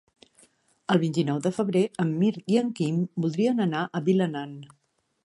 El vint-i-nou de febrer en Mirt i en Quim voldrien anar a Vilanant.